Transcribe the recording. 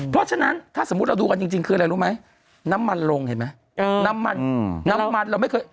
เพราะฉะนั้นถ้าสมมุติเราดูกันจริงคืออะไรรู้ไหมน้ำมันลงเห็นไหมน้ำมันน้ำมันเราไม่เคย